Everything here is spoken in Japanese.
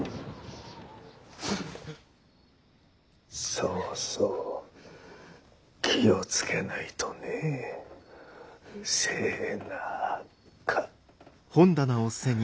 そうそう気をつけないとねぇせ・な・か。